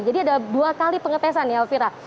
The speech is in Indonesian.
ada dua kali pengetesan ya elvira